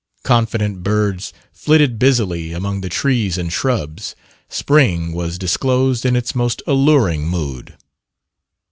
Confident birds flitted busily among the trees and shrubs. Spring was disclosed in its most alluring mood.